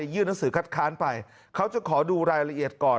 ยื่นหนังสือคัดค้านไปเขาจะขอดูรายละเอียดก่อน